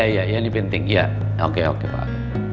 ya ini penting ya oke oke pak